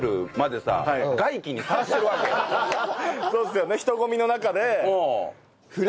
そうですよね人混みの中ね。